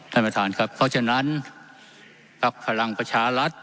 ท่านประธานครับเพราะฉะนั้นภักดิ์พลังประชารัฐ